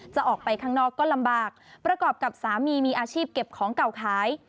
จะออกไปข้างนอกก็ลำบากประกอบกับสามีมีอาชีพเก็บของเก่าขาย